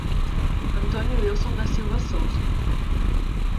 Antônio Ilson da Silva Souza